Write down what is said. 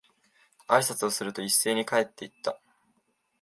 挨拶をすると、一斉に帰って行った。